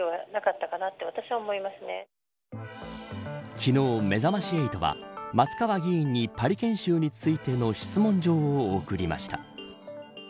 昨日、めざまし８は松川議員にパリ研修についての質問状を送りました。